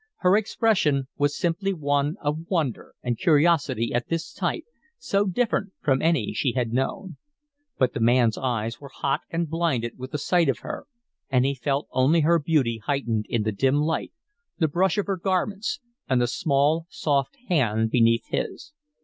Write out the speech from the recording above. Her expression was simply one of wonder and curiosity at this type, so different from any she had known. But the man's eyes were hot and blinded with the sight of her, and he felt only her beauty heightened in the dim light, the brush of her garments, and the small, soft hand beneath his.